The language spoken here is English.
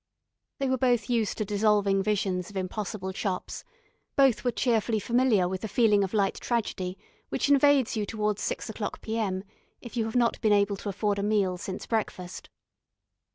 They were both used to dissolving visions of impossible chops, both were cheerfully familiar with the feeling of light tragedy which invades you towards six o'clock P.M., if you have not been able to afford a meal since breakfast.